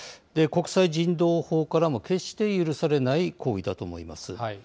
国際人道法からも決して許されない行為だと思います。